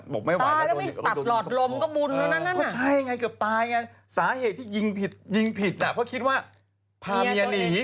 แล้วผู้ชายคนนี้ขับรถพาเมียหนี